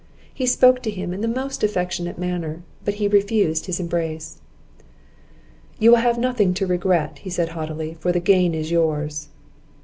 He spoke to him in the most affectionate manner, but he refused his embrace. "You will have nothing to regret," said he, haughtily, "for the gain is yours."